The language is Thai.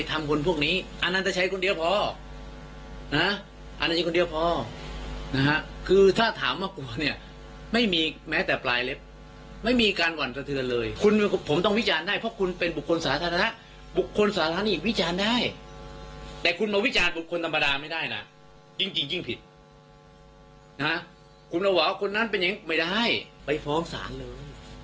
จริงจริงผิดคุณบอกว่าคนนั้นเป็นอย่างงี้ไม่ได้ไปฟ้องศาลเลย